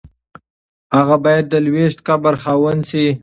هغه باید د لویشت قبر خاوند شي.